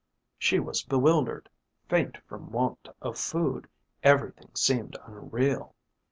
She was bewildered, faint from want of food, everything seemed unreal.